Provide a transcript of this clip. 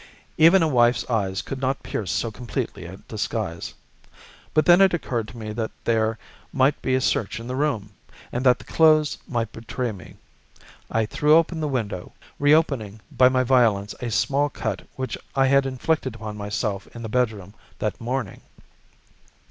Even a wife's eyes could not pierce so complete a disguise. But then it occurred to me that there might be a search in the room, and that the clothes might betray me. I threw open the window, reopening by my violence a small cut which I had inflicted upon myself in the bedroom that morning.